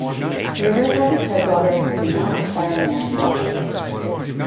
The river has its headwaters in the Mount Aspiring National Park.